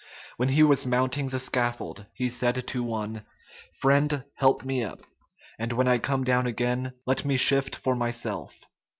When he was mounting the scaffold, he said to one, "Friend, help me up; and when I come down again, let me shift for myself."